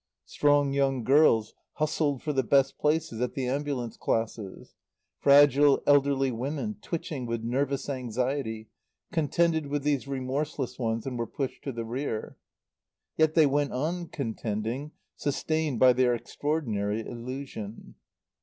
Strong young girls hustled for the best places at the ambulance classes. Fragile, elderly women, twitching with nervous anxiety, contended with these remorseless ones and were pushed to the rear. Yet they went on contending, sustained by their extraordinary illusion.